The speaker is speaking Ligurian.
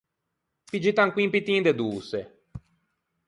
Piggite ancon un pittin de doçe!